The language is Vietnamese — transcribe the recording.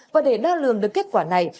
và để đa lường được kết quả này